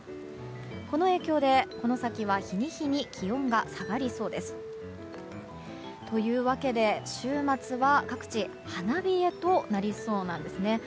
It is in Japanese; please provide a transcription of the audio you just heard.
この影響で、この先は日に日に気温が下がりそうです。というわけで、週末は各地、花冷えとなりそうです。